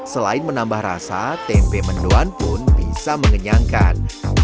selain menambah rasa tempe mendoan pun bisa mengenyangkan